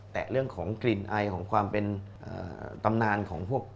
แต่เรื่องของกลิ่นไอของความเป็นตำนานของพวก